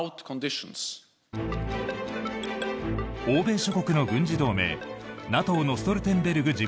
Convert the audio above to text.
欧米諸国の軍事同盟ＮＡＴＯのストルテンベルグ